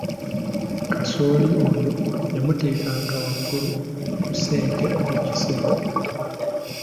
Kasooli oyo yamuteekanga waggulu ku ssente mu kisero.